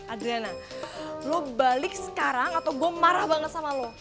adriana lo balik sekarang atau gue marah banget sama lo